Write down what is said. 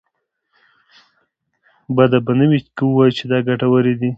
بده به نه وي که ووايو چې دا ګټورې دي.